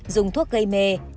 dùng thuốc gây mê